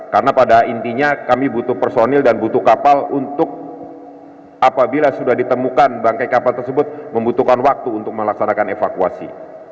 karena pada intinya kami butuh personil dan butuh kapal untuk apabila sudah ditemukan bangkai kapal tersebut membutuhkan waktu untuk melaksanakan evakuasi